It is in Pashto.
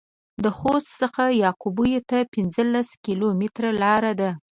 د خوست څخه يعقوبيو ته پنځلس کيلومتره لار ده.